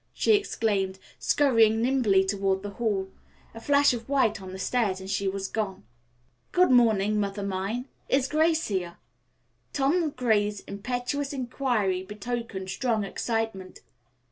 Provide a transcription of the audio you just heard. she exclaimed, scurrying nimbly toward the hall. A flash of white on the stairs and she was gone. "Good morning, Mother mine. Is Grace here?" Tom Gray's impetuous inquiry betokened strong excitement.